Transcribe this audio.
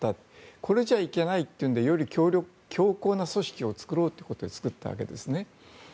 これじゃいけないというのでより強硬な組織を作ろうということで作ったわけです。